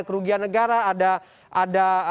kerugian negara ada